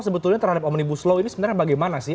sebetulnya terhadap omnibus law ini sebenarnya bagaimana sih